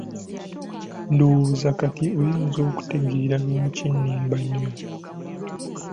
Ndowooza kati oyinza okutegeera lwaki nnimba nnyo.